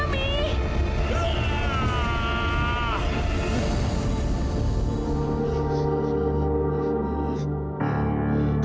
kamu bisa membunuh kami